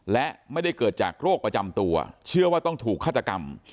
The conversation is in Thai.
และไม่ได้เกิดจากโรคประจำตัวเชื่อว่าต้องถูกฆาตกรรม